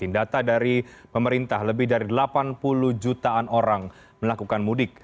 data dari pemerintah lebih dari delapan puluh jutaan orang melakukan mudik